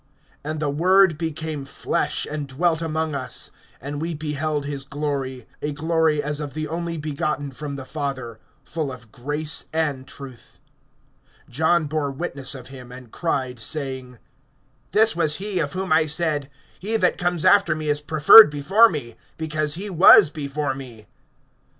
(14)And the Word became flesh, and dwelt among us[1:14]; and we beheld his glory, a glory as of the only begotten from the Father, full of grace and truth. (15)John bore witness of him; and cried, saying: This was he of whom I said, He that comes after me is preferred before me, because he was before me[1:15].